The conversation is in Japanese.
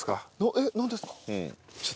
えっなんですか？